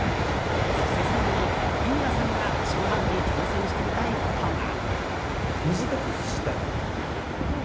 そして最後に、井浦さんが下半期挑戦してみたいことが。